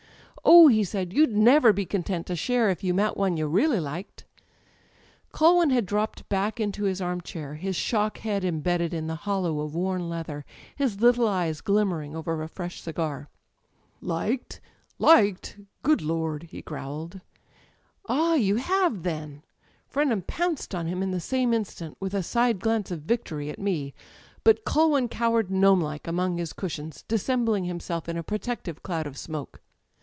"Oh," he said, "you'd never be content to share if you met one you really liked." [ 247 ] Digitized by LjOOQ IC THE EYES Culwin bad dropped back into his arm chair, his shock head embedded in the hollow of worn leather, his little ejj^L^limmerii^ over a fresh cigar. ''Ukedâ€" liked? Good Lord!" he growled. "Ah, you have, then!" Frenham pounced on him in the same instant, with a side glance of victory at me; but Culwin cowered gnomelike among his cushions, dissembling himself in a protective cloud of smoke.